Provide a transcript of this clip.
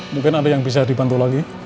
mungkin ada yang bisa dibantu lagi